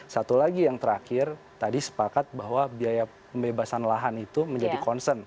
satu lagi yang terakhir tadi sepakat bahwa biaya pembebasan lahan itu menjadi concern